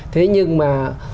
thế nhưng mà